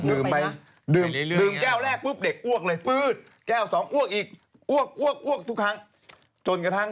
อุ้ยตักดื่มไป